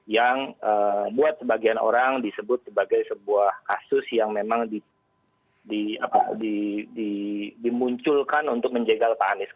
yang buat sebagian orang disebut sebagai sebuah kasus yang memang dimunculkan untuk menjegal pak anies